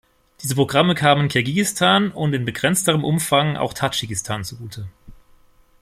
Diese Programme kamen Kirgisistan und in begrenzterem Umfang auch Tadschikistan zugute.